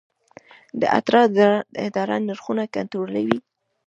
د اترا اداره نرخونه کنټرولوي؟